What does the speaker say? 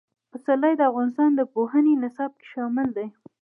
پسرلی د افغانستان د پوهنې نصاب کې شامل دي.